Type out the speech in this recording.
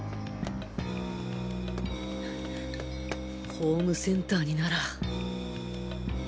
ホームセンターになら